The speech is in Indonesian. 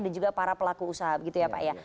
dan juga para pelaku usaha gitu ya pak ya